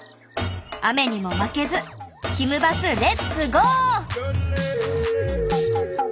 雨にも負けずひむバスレッツゴー！